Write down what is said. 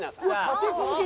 立て続け。